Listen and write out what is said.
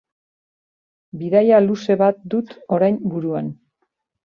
Bidaia luze bat dut orain buruan.